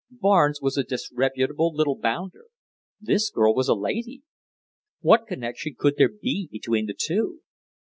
Barnes was a disreputable little bounder! This girl was a lady. What connexion could there be between the two?